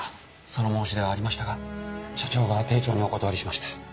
その申し出はありましたが社長が丁重にお断りしました。